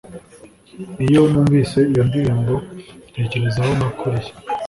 iyo numvise iyo ndirimbo, ntekereza aho nakuriye